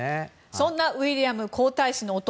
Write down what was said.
そんなウィリアム皇太子の弟